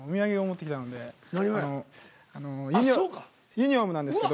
ユニホームなんですけど。